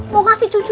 mau ngasih cucu